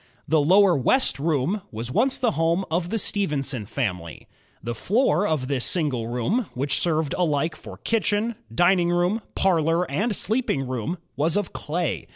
The lower west room was once the home of the Stephenson family. The floor of this single room, which served alike for kitchen, dining room, parlor, and sleeping room, was of clay.